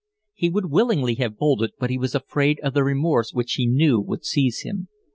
He would willingly have bolted, but he was afraid of the remorse which he knew would seize him.